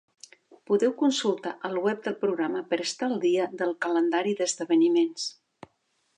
Podeu consultar el web del programa per estar al dia del calendari d'esdeveniments.